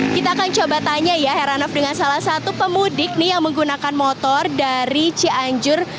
kita akan coba tanya ya heranov dengan salah satu pemudik nih yang menggunakan motor dari cianjur